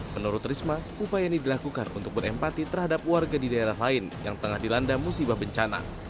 menurut risma upaya ini dilakukan untuk berempati terhadap warga di daerah lain yang tengah dilanda musibah bencana